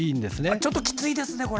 ちょっときついですね。